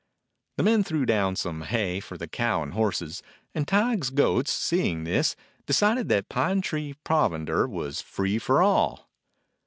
The men threw down some hay for the cow and horses, and Tige's goats, seeing this, de cided that Pine Tree provender was free for all.